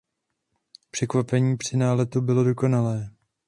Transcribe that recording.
Překvapení při náletu bylo dokonalé.